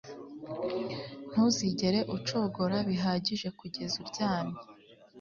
ntuzigere ucogora bihagije kugeza uryamye